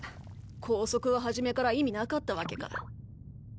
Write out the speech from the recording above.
拘束は初めから意味なかったわけか。